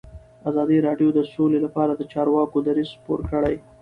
ازادي راډیو د سوله لپاره د چارواکو دریځ خپور کړی.